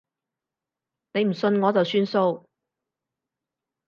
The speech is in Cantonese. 你唔信我就算數